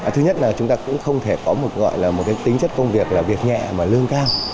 thứ nhất là chúng ta cũng không thể có một tính chất công việc là việc nhẹ mà lương cao